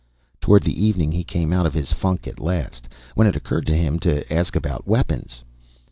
Toward evening he came out of his funk at last, when it occurred to him to ask about weapons.